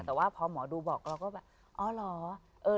แต่ว่าพอหมอดูบอกเราก็แบบอ๋อเหรอ